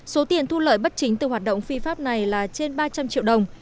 số tiền thu lợi bất chính từ hoạt động phi pháp này là trên ba trăm linh triệu đồng